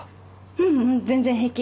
ううん！全然平気！